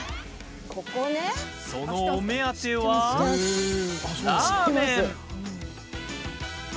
そのお目当てはラーメン！